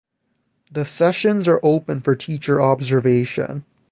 The sessions are open for teacher observation.